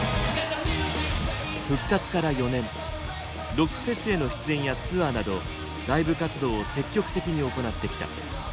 ロックフェスへの出演やツアーなどライブ活動を積極的に行ってきた。